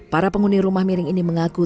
para penghuni rumah miring ini mengaku